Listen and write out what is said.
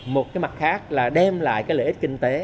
một cái mặt khác là đem lại cái lợi ích kinh tế